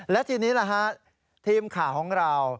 และทีนี้ทีมข่าวของเรา